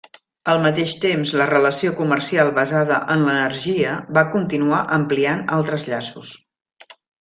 Al mateix temps la relació comercial basada en l'energia va continuar ampliant altres llaços.